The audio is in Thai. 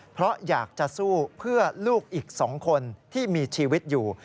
เพราะอยากจะสู้เพื่อลูกอีก๒คนที่มีชีวิตอยู่